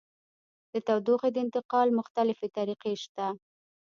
د تودوخې د انتقال مختلفې طریقې شته.